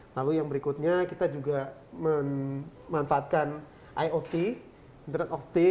lalu yang berikutnya kita juga memanfaatkan iot